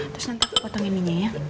terus nanti potong ininya ya